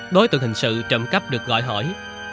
đối tượng hình sự trộm cắp được gọi hỏi